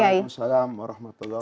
waalaikumsalam warahmatullahi wabarakatuh